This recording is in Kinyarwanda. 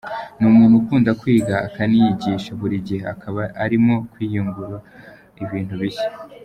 Ni umuntu ukunda kwiga akaniyigisha, buri gihe aba arimo kwiyungura ibintu bishya.